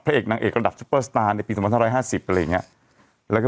พระเอกนางเอกระดับชุปเปอร์สตาร์ในปีสมรรถห้าร้ายห้าสิบอะไรอย่างเงี้ยแล้วก็